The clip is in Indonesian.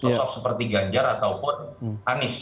sosok seperti ganjar ataupun anies